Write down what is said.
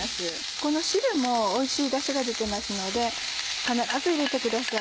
この汁もおいしいダシが出てますので必ず入れてください。